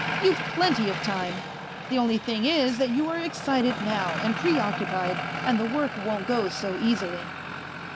You've plenty of time !... The only thing is that you are excited now, and preoccupied, and the work won't go so easily."